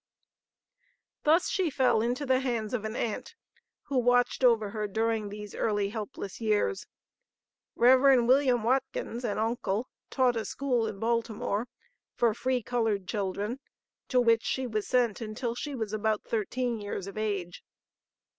Thus she fell into the hands of an aunt, who watched over her during these early helpless years. Rev. William Watkins, an uncle, taught a school in Baltimore for free colored children, to which she was sent until she was about thirteen years of age.